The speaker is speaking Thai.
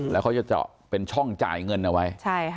แล้วเขาจะเจาะเป็นช่องจ่ายเงินเอาไว้